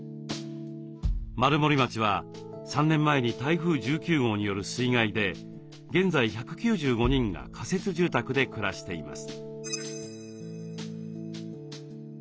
丸森町は３年前に台風１９号による水害で現在１９５人が仮設住宅で暮らしています。